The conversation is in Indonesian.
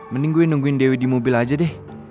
mending gue nungguin dewi di mobil aja deh